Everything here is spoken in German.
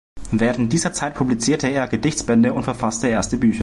Während dieser Zeit publizierte er Gedichtbände und verfasste erste Bücher.